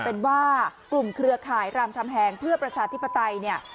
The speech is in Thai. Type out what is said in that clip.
เป็นว่ากลุ่มเครือข่ายรามคำแหงเพื่อประชาธิปไตยเนี่ย